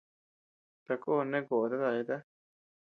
Takon neʼe koʼota dayata.